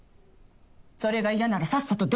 それが嫌ならさっさと出て行って。